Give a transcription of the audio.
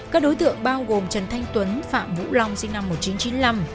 các đối tượng bao gồm trần thanh tuấn phạm vũ long sinh năm một nghìn chín trăm chín mươi năm